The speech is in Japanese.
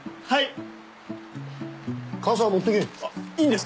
はい。